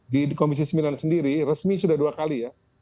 di komisi sembilan sendiri resmi sudah dua kali ya